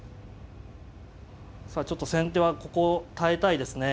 さあちょっと先手はここを耐えたいですね。